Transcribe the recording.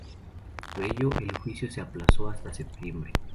Por ello el juicio se aplazó hasta septiembre.